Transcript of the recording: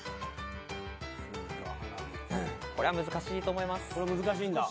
これは難しいと思います。